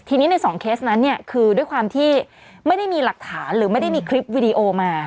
ทีนี้ในสองเคสนั้นเนี่ยคือด้วยความที่ไม่ได้มีหลักฐานหรือไม่ได้มีคลิปวิดีโอมา